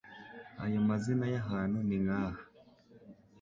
Ayo mazina y'ahantu ni nk'aha :